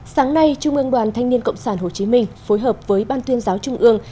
sáng nay trung ương đoàn thanh niên cộng sản hồ chí minh phối hợp với ban tuyên giáo trung ương